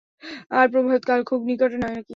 আর প্রভাত কাল খুব নিকটে নয় কি?